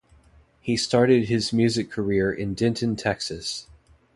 He started his music career in Denton, Texas.